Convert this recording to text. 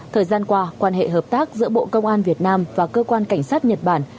thời gian qua quan hệ hợp tác giữa bộ công an việt nam và cơ quan cảnh sát nhật bản